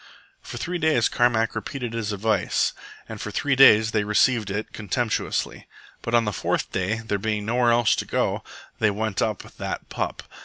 For threes days Carmack repeated his advice, and for three days they received it contemptuously. But on the fourth day, there being nowhere else to go, they went up "that pup."